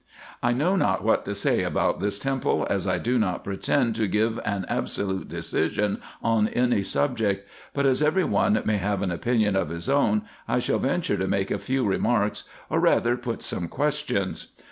I know not what to say about this temple, as I do not pretend to give an absolute decision on any subject ; but as every one may have an opinion of his own, I shall venture to make a few remarks, or rather put some questions.